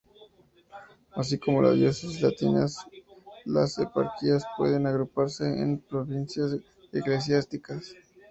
Así como las diócesis latinas, las eparquías pueden agruparse en Provincias eclesiásticas.